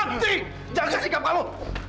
li jangan sikap kamu